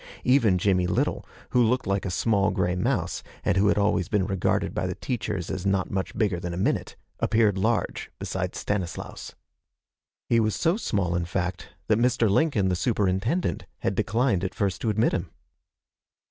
Even Jimmie Little, who looked like a small gray mouse, and who had always been regarded by the teachers as not much bigger than a minute, appeared large beside Stanislaus. He was so small, in fact, that Mr. Lincoln, the Superintendent, had declined at first to admit him.